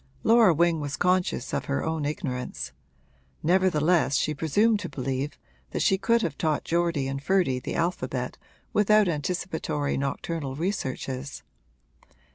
Laura Wing was conscious of her own ignorance; nevertheless she presumed to believe that she could have taught Geordie and Ferdy the alphabet without anticipatory nocturnal researches.